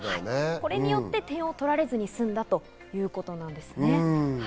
これによって点を取られずに済んだということなんですね。